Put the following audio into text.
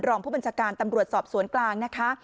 รองผู้บัญชาการตำรวจสอบสวนกลางนะคะ